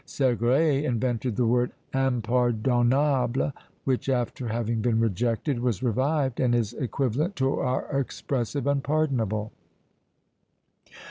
Segrais invented the word impardonnable, which, after having been rejected, was revived, and is equivalent to our expressive unpardonable.